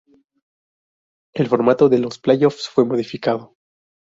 El formato de los playoffs fue modificado.